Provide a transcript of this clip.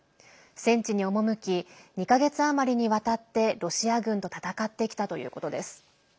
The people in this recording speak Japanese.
戦地に赴き２か月余りにわたってロシア軍と戦ってきたということです。